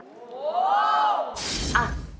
โอ้โห